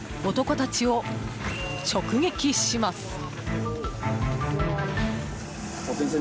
男たちを直撃します。